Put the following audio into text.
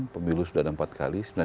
pemilu sudah ada empat kali